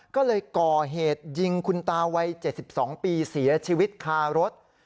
ก็เลยก่อเหตุยิงคุณตาวัย๗๒ปีเสียชีวิตคารถ